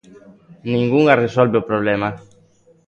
Ningunha resolve o problema.